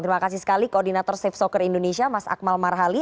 terima kasih sekali koordinator safe soccer indonesia mas akmal marhali